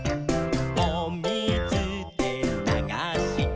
「おみずでながして」